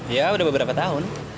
ya udah beberapa tahun